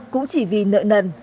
cũng chỉ vì nợ nần